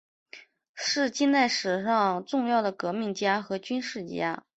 是近代史上重要的革命家和军事家。